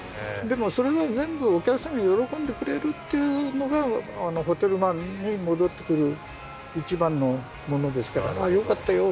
でもそれは全部お客さんが喜んでくれるっていうのがホテルマンに戻ってくる一番のものですから「よかったよ。